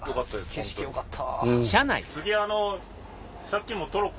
景色よかった。